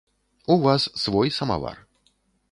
У вас свой самавар.